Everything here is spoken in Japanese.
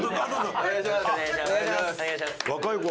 お願いします。